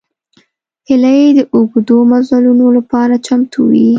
هیلۍ د اوږدو مزلونو لپاره چمتو وي